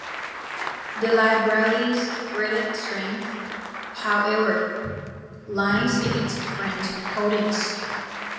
The library's greatest strength, however, lies in its French holdings.